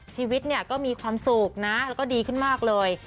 ชีวิตเนี่ยก็มีความสุขนะแล้วก็ดีขึ้นมากเลย